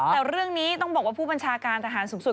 แต่เรื่องนี้ต้องบอกว่าผู้บัญชาการทหารสูงสุด